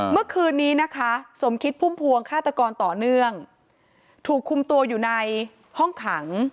เมื่อคืนนี้นะคะสมคิดพุ่มพวงฆาตกรต่อเนื่องถูกคุมตัวอยู่ในห้องขัง